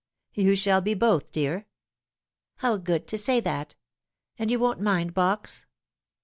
" You shall be both, dear." " How good to say that ! And you won't mind Box